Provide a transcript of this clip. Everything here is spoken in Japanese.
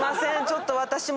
ちょっと。